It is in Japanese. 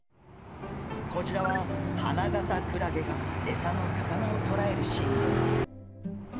こちらはハナガサクラゲがエサの魚をとらえるシーン。